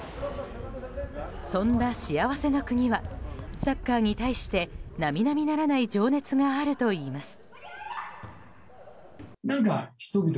そんな幸せな国はサッカーに対してなみなみならない情熱があるといいます。